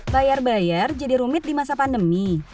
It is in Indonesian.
bayar bayar jadi rumit di masa pandemi